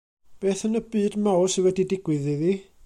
Beth yn y byd mawr sy wedi digwydd iddi?